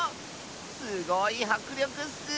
すごいはくりょくッス。